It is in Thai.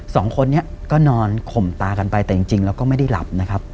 สองคนนี้ก็นอนข่มตากันไปแต่จริงแล้วก็ไม่ได้หลับนะครับ